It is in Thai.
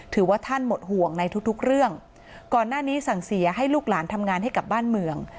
ถือว่าท่านหมดห่วงในทุกทุกเรื่องก่อนหน้านี้สั่งเสียให้ลูกหลานทำงานให้กับบ้านเมือง